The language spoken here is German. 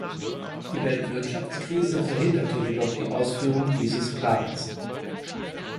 Die Weltwirtschaftskrise verhinderte jedoch die Ausführung dieses Plans.